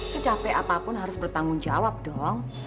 secape apapun harus bertanggung jawab dong